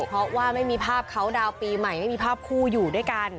เพราะว่าไม่มีภาพเขาดาวน์ปีใหม่ไม่มีภาพคู่อยู่ด้วยกัน